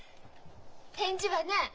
返事はね。